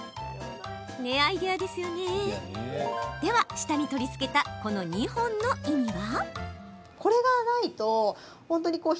では、下に取り付けた２本の意味は？